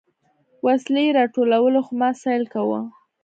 وسلې يې راټولولې خو ما سيل کاوه.